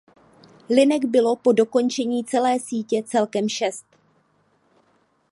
Linek bylo po dokončení celé sítě celkem šest.